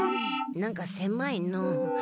なんかせまいのう。